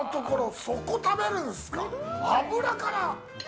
脂から。